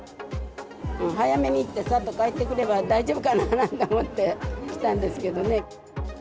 早めに行って、さっと帰ってくれば大丈夫かなと思って来たんです